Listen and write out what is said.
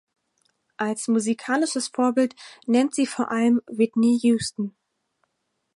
Als musikalisches Vorbild nennt sie vor allem Whitney Houston.